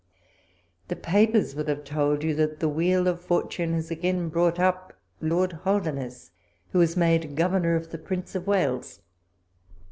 The papers will have told you that the wheel of fortune has again brought up Lord Holder nesse, who is made governor to the Prince of Wales.